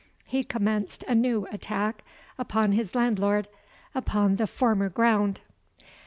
He commenced a new attack upon his landlord, upon the former ground.